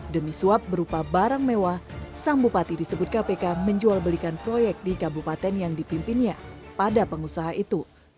demi suap berupa barang mewah sang bupati disebut kpk menjual belikan proyek di kabupaten yang dipimpinnya pada pengusaha itu